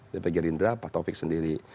dpd gerindra pak topik sendiri